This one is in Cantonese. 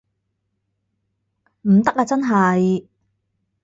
唔得啊真係